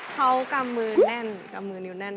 เขากำมือแน่นกำมือนิ้วแน่น